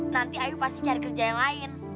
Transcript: nanti ayu pasti cari kerja yang lain